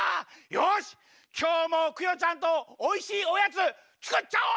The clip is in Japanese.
よしきょうもクヨちゃんとおいしいおやつつくっちゃお！